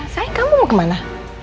sayang kamu mau kemana